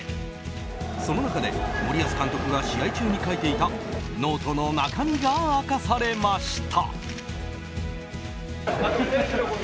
その中で森保監督が試合中に書いていたノートの中身が明かされました。